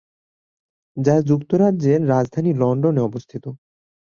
যা যুক্তরাজ্যের রাজধানী লন্ডনে অবস্থিত।